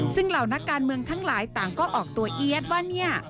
ซึ่งเหล่านักการเมืองทั้งหลายต่างก็ออกตัวเอี๊ยดว่าเนี่ย